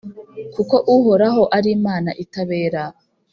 kuko Uhoraho ari Imana itabera: